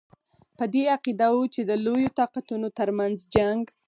په دې عقیده وو چې د لویو طاقتونو ترمنځ جنګ.